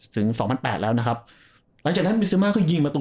ถึงสองพันแปดแล้วนะครับหลังจากนั้นมิซึมาก็ยิงประตู